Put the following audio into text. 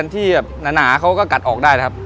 เขาเล็กนั้นที่หนานาเขาก็กัดออกได้ครับ